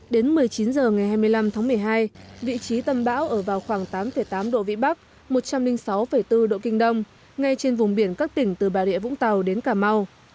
đến một mươi chín h ngày hai mươi năm tháng một mươi hai vị trí tâm bão ở vào khoảng tám tám độ vĩ bắc một trăm linh sáu bốn độ kinh đông ngay trên vùng biển các tỉnh từ bà rịa vũng tàu đến cà mau